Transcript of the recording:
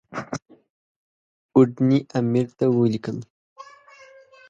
اوډني امیر ته ولیکل.